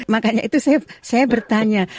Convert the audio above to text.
makanya itu saya bertanya